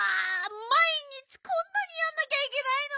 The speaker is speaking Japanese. まい日こんなにやんなきゃいけないの？